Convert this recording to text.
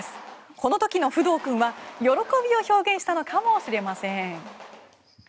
この時のフドウ君は喜びを表現したのかもしれません。